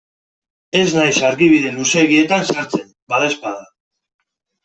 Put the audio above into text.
Ez naiz argibide luzeegietan sartzen, badaezpada.